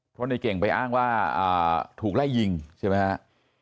เพราะในเก่งไปอ้างว่าถูกไล่ยิงใช่ไหมครับ